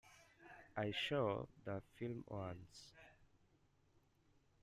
I saw the film once.